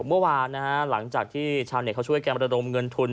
เมื่อวานนะฮะหลังจากที่ชาวเน็ตเขาช่วยกันประดมเงินทุน